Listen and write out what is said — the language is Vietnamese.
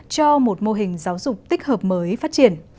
cho một mô hình giáo dục tích hợp mới phát triển